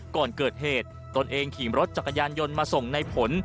ก่อนเกิดเหตุตนเองขี่รถจักรยานยนต์มาส่งในผล